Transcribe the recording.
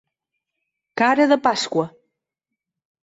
Cara de Pasqua.